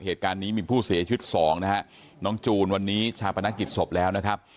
เหตุการณ์นี้มีผู้เสชวิตศองน้องจูนวันนี้ชาพนักผิดศพแล้ว